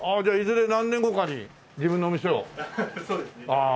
ああ。